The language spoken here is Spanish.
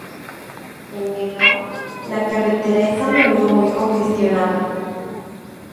En Geelong, la carretera es a menudo muy congestionada.